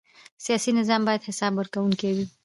سیاسي نظام باید حساب ورکوونکی وي